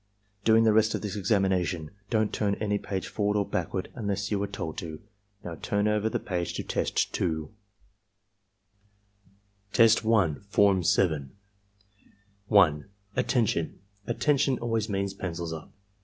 "During the rest of this examination don't turn any page forward or backward unless you are told to. Now turn over the page to Test 2." Test 1, Form 7 1. "Attention! 'Attention' always means 'Pencils up.'